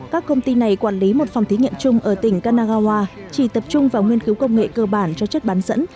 các công ty này quản lý một phòng thí nghiệm chung ở tỉnh kanagawa chỉ tập trung vào nghiên cứu công nghệ cơ bản cho chất bán dẫn